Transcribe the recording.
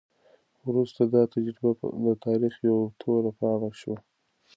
وروسته دا تجربه د تاریخ یوه توره پاڼه شوه.